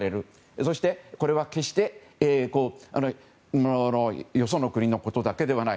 そして、これは決してよその国のことだけではない。